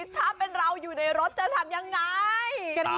ถ้าเป็นเราอยู่ในรถจะทำยังไง